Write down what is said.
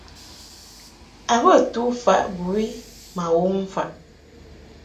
A bə tu faʼ bɨwi ma wom faʼ.